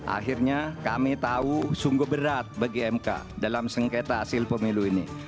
akhirnya kami tahu sungguh berat bagi mk dalam sengketa hasil pemilu ini